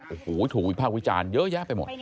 โอ้โหถูกวิภาควิจารณ์เยอะแยะไปหมด